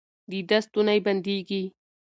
د ده ستونی بندېږي.